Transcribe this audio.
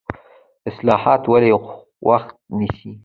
اصلاحات ولې وخت نیسي؟